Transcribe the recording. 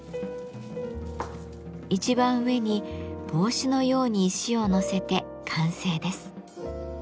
一番上に帽子のように石を載せて完成です。